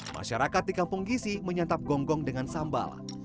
masyarakat di kampung gisi menyantap gonggong dengan sambal